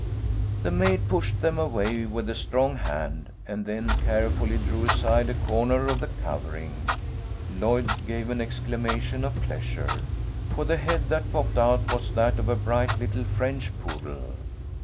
The maid pushed them away with a strong hand, and then carefully drew aside a corner of the covering. Lloyd gave an exclamation of pleasure, for the head that popped out was that of a bright little French poodle.